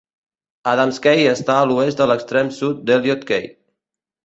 Adams Key està a l'oest de l'extrem sud d'Elliot Key.